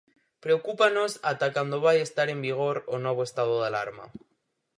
Preocúpanos ata cando vai estar en vigor o novo estado de alarma...